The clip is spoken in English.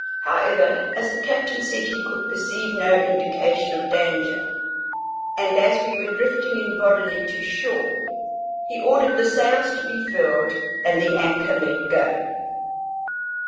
However, as the captain said he could perceive no indication of danger, and as we were drifting in bodily to shore, he ordered the sails to be furled, and the anchor let go.